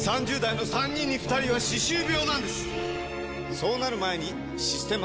そうなる前に「システマ」！